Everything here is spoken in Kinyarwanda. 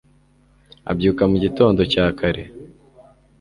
abyuka mu gitondo cya kare